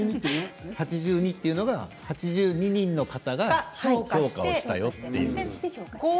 ８２というのは８２人の方が評価をしたということなんですか。